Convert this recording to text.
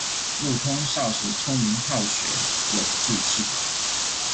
陆通少时聪明好学，有志气。